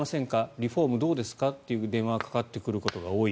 リフォームどうですか？などの電話がかかってくることが多い。